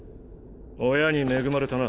親に恵まれたな。